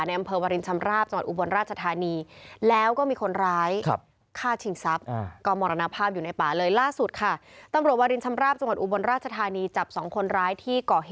ในอำเภอวาริญชำราบจังหกอุบรรณราชธารี